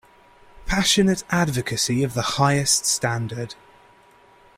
Passionate advocacy of the highest standard.